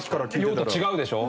用途違うでしょ？